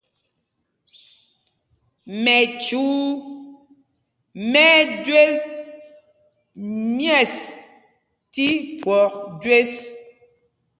Mɛchuu mɛ́ ɛ́ jwel ̀yɛ̂ɛs tí phwɔk jüés.